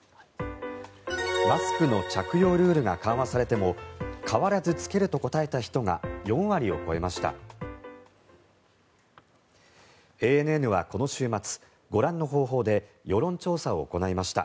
マスクの着用ルールが緩和されても変わらず着けると答えた人が４割を超えました。